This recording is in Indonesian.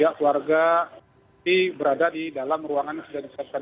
pihak keluarga berada di dalam ruangan yang sudah disiapkan